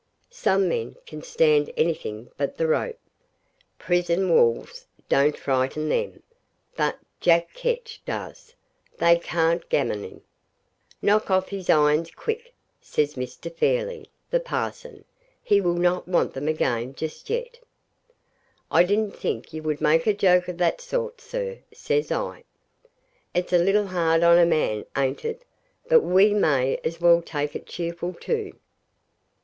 Some men can stand anything but the rope. Prison walls don't frighten them; but Jack Ketch does. They can't gammon him. 'Knock off his irons quick,' says Mr. Fairleigh, the parson; 'he will not want them again just yet.' 'I didn't think you would make a joke of that sort, sir,' says I. 'It's a little hard on a man, ain't it? But we may as well take it cheerful, too.'